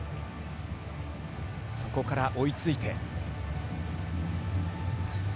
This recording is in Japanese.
そこから追いついて。